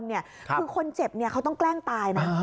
คือคนเจ็บเขาต้องแกล้งตายนะ